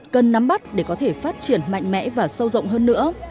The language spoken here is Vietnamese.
cần nắm bắt để có thể phát triển mạnh mẽ và sâu rộng hơn nữa